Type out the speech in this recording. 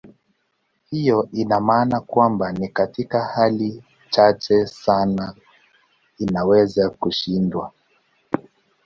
Hiyo ina maana kwamba ni katika hali chache sana inaweza kushindwa.